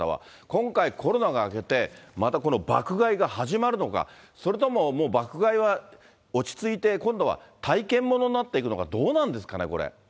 今回、コロナが明けて、またこの爆買いが始まるのか、それとももう爆買いは落ち着いて、今度は体験ものになっていくのか、どうなんですかね、これ。